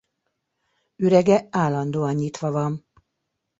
Ürege állandóan nyitva van.